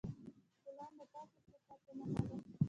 ګلان د پاکو احساساتو نښه ده.